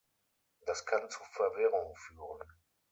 Das kann zu Verwirrung führen.